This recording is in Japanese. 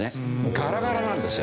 ガラガラなんですよ。